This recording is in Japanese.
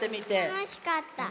たのしかった？